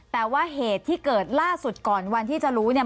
แต่ว่าเหตุที่เกิดล่าสุดก่อนวันที่จะรู้เนี่ย